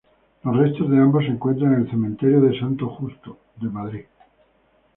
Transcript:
Los restos de ambos se encuentran en el cementerio de San Justo de Madrid.